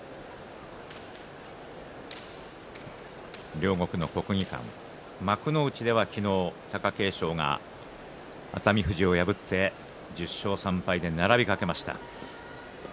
両国の国技館、幕内では昨日貴景勝が熱海富士を破って１０勝３敗で並びました。